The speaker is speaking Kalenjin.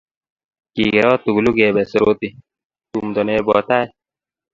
kikirot tugulu kebe Soroti, tumdo nebo tai.